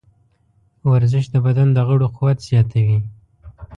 ورزش د بدن د غړو قوت زیاتوي.